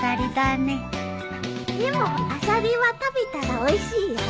でもアサリは食べたらおいしいよ。